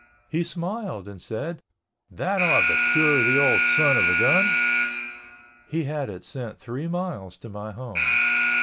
He smiled and said, "that ought to cure the old son of a gun." He had it sent three miles to my home.